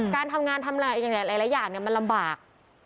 การทำงานทำอะไรหลายอย่างมันลำบาก